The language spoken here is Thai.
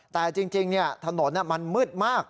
แต่จริงถนนมันมืดมาก